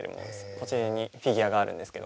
こちらにフィギュアがあるんですけど。